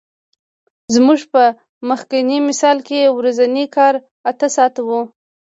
زموږ په مخکیني مثال کې ورځنی کار اته ساعته وو